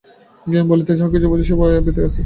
জ্ঞান বলিতে যাহা কিছু বুঝায়, সবই বেদে আছে।